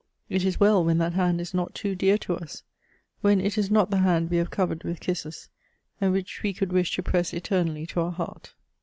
It is well when that hand is not too dear to us ! when it is not the hand we have covered with kisses, and which we could wish to press eternally to our heart